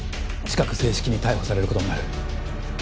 近く正式に逮捕されることになる。